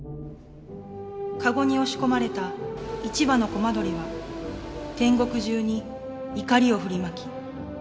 「かごに押し込まれた一羽のコマドリは天国中に怒りを振りまき」